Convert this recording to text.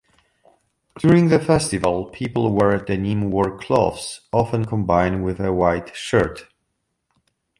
During the festival people wear denim work clothes, often combined with a white shirt.